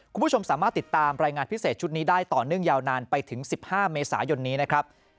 คุณผู้ชมสามารถติดตามรายงานพิเศษชุดนี้ได้ต่อเนื่องยาวนานไปถึง๑๕เมษายนนี้นะครับ